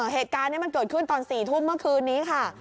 เหตุการณ์นี้มันเกิดขึ้นตอน๔ทุ่มเมื่อคืนนี้ค่ะ